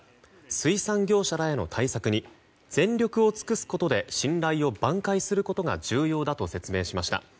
水産業者らへの対策に全力を尽くすことで信頼を挽回することが重要だと説明しました。